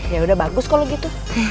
yaudah bagus kalau gitu